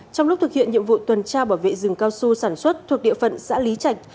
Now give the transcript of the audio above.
trong lúc thực hiện nhiệm vụ tuần tra bảo vệ rừng cao su sản xuất thuộc địa phận xã lý trạch